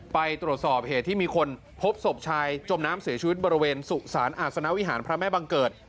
ไปตรวจสอบเหตุที่มีคนพบศพชายจมน้ำเสียชีวิตบริเวณสุสานอาศนาวิหารพระแม่บังเกิด